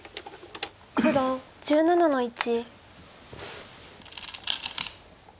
黒１７の一。